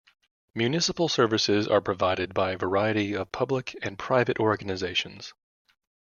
Municipal services are provided by a variety of public and private organizations.